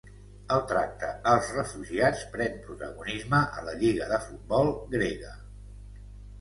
El tracte als refugiats pren protagonisme a la lliga de futbol grega